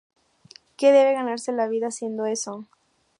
Que debe ganarse la vida haciendo eso".